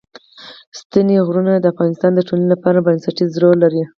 ستوني غرونه د افغانستان د ټولنې لپاره بنسټيز رول لري.